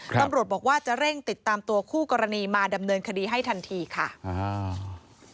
ตำรวจบอกว่าจะเร่งติดตามตัวคู่กรณีมาดำเนินคดีให้ทันทีค่ะอ่า